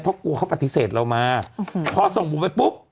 เพราะกลัวเขาปฏิเสธเรามาพอส่งบุ๋มไปปุ๊บ